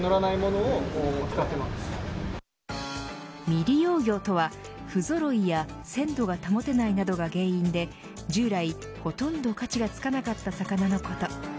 未利用魚とはふぞろいや鮮度が保てないなどが原因で従来ほとんど価値がつかなかった魚のこと。